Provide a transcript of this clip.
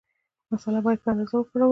مساله باید په اندازه وکارول شي.